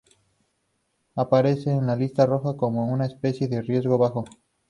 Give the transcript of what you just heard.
Aparece en la Lista roja como una especie de riesgo bajo.